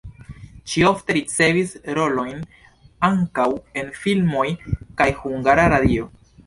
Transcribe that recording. Ŝi ofte ricevis rolojn ankaŭ en filmoj kaj Hungara Radio.